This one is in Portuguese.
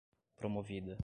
promovida